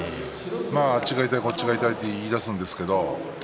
あっちが痛い、こっちが痛いと言いだすんですけれど